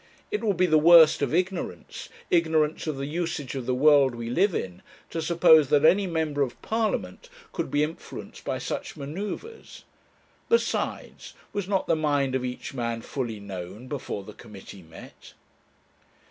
It would be the worst of ignorance, ignorance of the usage of the world we live in, to suppose that any member of Parliament could be influenced by such manoeuvres. Besides, was not the mind of each man fully known before the committee met?